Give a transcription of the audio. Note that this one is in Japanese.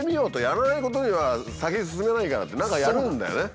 やらないことには先に進めないからって何かやるんだよね。